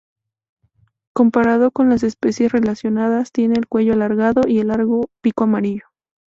Comparado con las especies relacionadas, tiene el cuello alargado y largo pico amarillo.